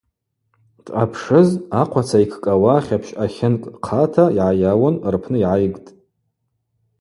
Дъапшыз ахъваца йкӏкӏауа хьапщ ъатлынкӏ хъата йгӏайауын рпны йгӏайгтӏ.